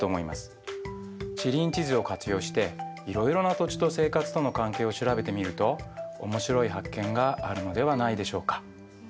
地理院地図を活用していろいろな土地と生活との関係を調べてみると面白い発見があるのではないでしょうか。